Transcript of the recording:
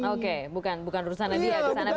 oke bukan urusan dia